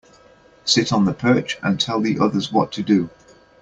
Sit on the perch and tell the others what to do.